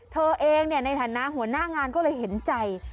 เธอเองในฐานะหัวหน้างานก็เลยเห็นใจ